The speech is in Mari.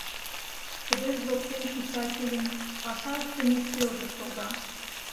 Кыдеж воктен писательын паша ыштыме ӱстелже шога.